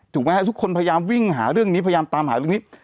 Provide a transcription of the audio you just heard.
ทุกคนพยายามวิ่งหาเรื่องนี้พยายามตามหาเรื่องนี้